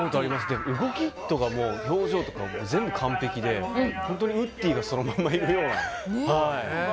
動きとか表情とか全部完璧で本当にウッディがそのままいるような。